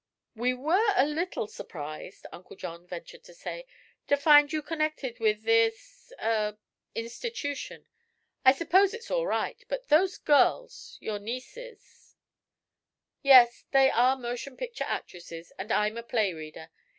"We were a little surprised," Uncle John ventured to say, "to find you connected with this er institution. I suppose it's all right; but those girls your nieces " "Yes, they are motion picture actresses, and I am a play reader.